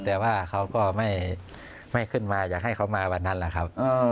แต่ว่าเขาก็ไม่ขึ้นมาอยากให้เขามาวันนั้นแหละครับ